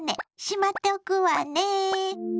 閉まっておくわね！